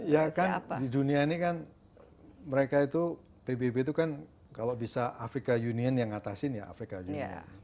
ya kan di dunia ini kan mereka itu pbb itu kan kalau bisa afrika union yang ngatasin ya afrika juga